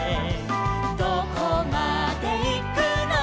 「どこまでいくのか」